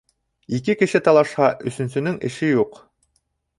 Ике кеше талашһа, өсөнсөнөң эше юҡ.